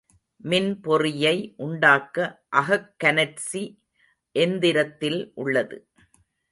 மின்பொறியை உண்டாக்க அகக் கனற்சி எந்திரத்தில் உள்ளது.